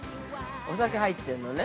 ◆お酒入ってるのね。